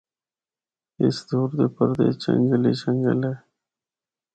اس دے اُردے پردے جنگل ای جنگل اے۔